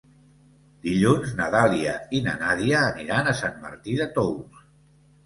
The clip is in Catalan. Dilluns na Dàlia i na Nàdia aniran a Sant Martí de Tous.